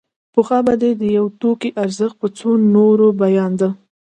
پخوا به د یو توکي ارزښت په څو نورو بیانېده